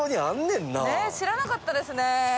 ねっ知らなかったですね。